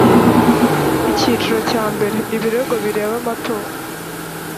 icyiciro cya mbere ibirego bireba amatora